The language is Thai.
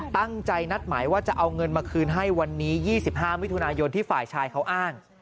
ตั้งใจนัดหมายว่าจะเอาเงินมาคืนให้วันนี้๒๕มิถุนายนที่ฝ่ายชายเขาอ้าง